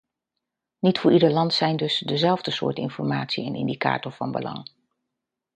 Niet voor ieder land zijn dus dezelfde soort informatie en indicator van belang.